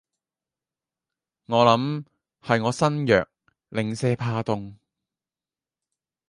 我諗係我身弱，零舍怕凍